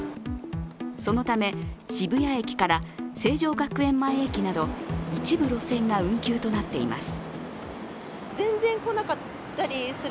そのため、渋谷駅から成城学園前駅など、一部路線が運休となっています。